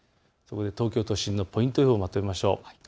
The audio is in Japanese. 東京都心のポイント予報をまとめましょう。